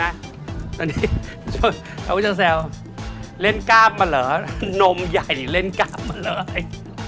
อันนี้เขาก็จะแซวเล่นก้ามมาเหรอนมใหญ่นี่เล่นก้ามมาเลย